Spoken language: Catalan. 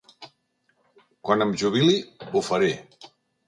Quan em jubili ho faré.